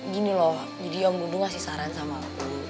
gini loh jadi om bunuh ngasih saran sama aku